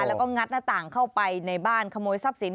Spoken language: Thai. แล้วก็งัดหน้าต่างเข้าไปในบ้านขโมยทรัพย์สิน